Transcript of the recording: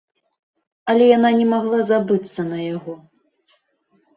Але яна не магла забыцца на яго.